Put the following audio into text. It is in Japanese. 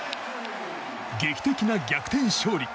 劇的な逆転勝利。